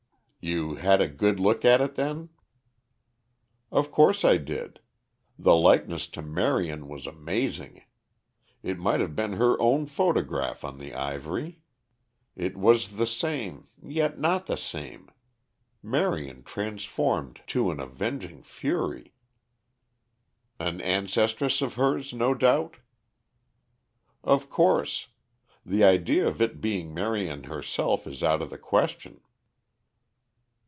"You had a good look at it, then?" "Of course I did. The likeness to Marion was amazing. It might have been her own photograph on the ivory. It was the same, yet not the same Marion transformed to an avenging fury." "An ancestress of hers, no doubt?" "Of course. The idea of it being Marion herself is out of the question."